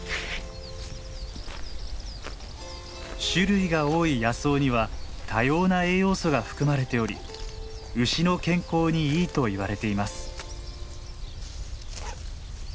種類が多い野草には多様な栄養素が含まれており牛の健康にいいといわれています。